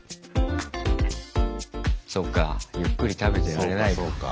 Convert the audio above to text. そっかゆっくり食べてられないか。